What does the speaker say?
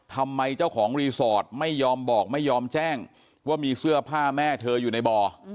ทำไมเจ้าของรีสอร์ทไม่ยอมบอกไม่ยอมแจ้งว่ามีเสื้อผ้าแม่เธออยู่ในบ่อ